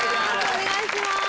お願いします